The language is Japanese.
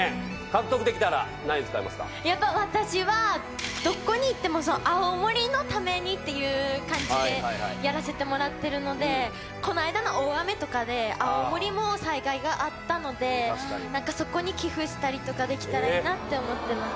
やっぱ私はどこに行っても青森のためにっていう感じでやらせてもらってるのでこの間の大雨とかで青森も災害があったので何かそこに寄付したりとかできたらいいなって思ってます。